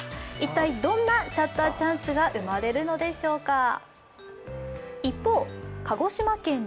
一体どんなシャッターチャンスが生まれるのでしょうか。